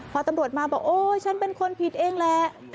พอตำรวจมาบอกโอ๊ยฉันเป็นคนผิดเองแหละ